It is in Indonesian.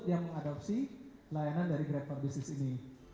yang mengadopsi layanan dari grab for business ini